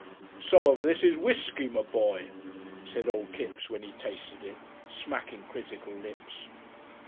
"Some of this is whiskey, my boy," said old Kipps when he tasted it, smacking critical lips.